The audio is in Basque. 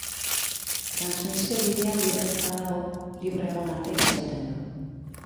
Transmisio-bidea libre ez badago, libre egon arte itxaroten du.